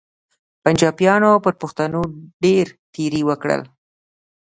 پنچاپیانو پر پښتنو ډېر تېري وکړل.